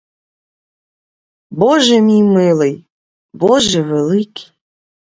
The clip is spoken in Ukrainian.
Боже мій милий, боже великий!